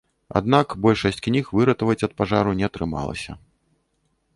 Аднак большасць кніг выратаваць ад пажару не атрымалася.